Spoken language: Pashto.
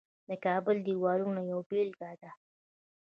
د کابل دیوالونه یوه بیلګه ده